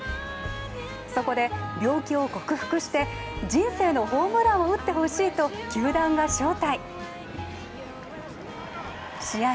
そこで、病気を克服して人生のホームランを打ってほしいと球団が招待試合